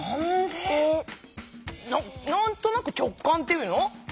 なんとなく直感っていうの？